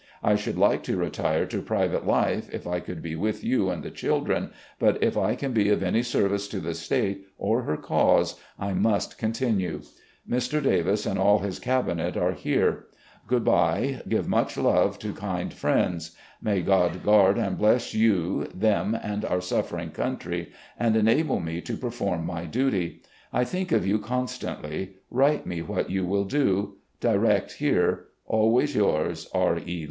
I should like to retire to private life, if I could be with you and the children, but if I can be of any service to the State or her cause I must continue. Mr. Davis and all his Cabinet are here. ... Good bye. Give much love to kind friends. May God guard and bless you, them, and our suffering country, and enable me to perform my duty. I think of you con stantly. Write me what you will do. Direct here. "Always yours, "R. E.